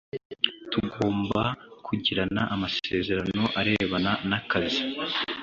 tugomba kugirana amasezerano arebana nakakazi